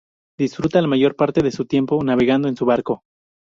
Disfruta la mayor parte de su tiempo navegando en su barco.